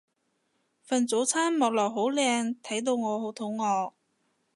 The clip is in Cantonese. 份早餐望落好靚睇到我好肚餓